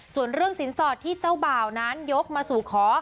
ส่วนเรื่องสินสอดที่เจ้าบ่าวนั้นยกมาสู่ขอ